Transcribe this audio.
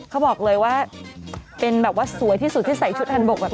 เขาบอกเลยว่าเป็นแบบว่าสวยที่สุดที่ใส่ชุดฮันบกแบบนี้